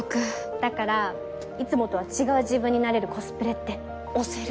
だからいつもとは違う自分になれるコスプレって推せる。